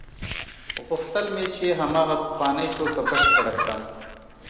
غوښتل مې چې هماغه پخوانۍ ټوکه بشپړه کړم.